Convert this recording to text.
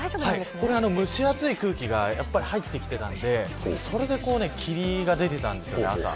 蒸し暑い空気が入ってきていたのでそれで霧が出ていたんですよね朝。